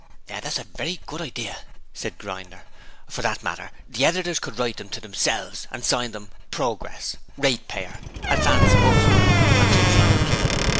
'Yes, that's a very good idea,' said Grinder. 'For that matter the editors could write them to themselves and sign them "Progress", "Ratepayer", "Advance Mugsborough", and sich like.'